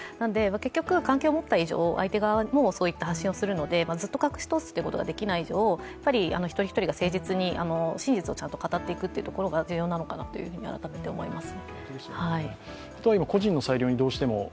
結局、関係を持った以上相手側もそういった発信をするので、ずっと隠し通すことができない以上一人一人が誠実に真実を語っていくところが重要なのかなと思います。